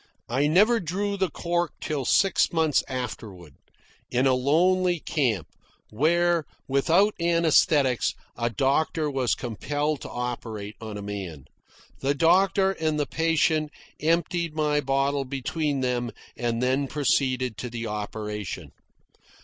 I never drew the cork till six months afterward, in a lonely camp, where, without anaesthetics, a doctor was compelled to operate on a man. The doctor and the patient emptied my bottle between them and then proceeded to the operation.